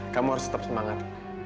kamu harus tetap semangat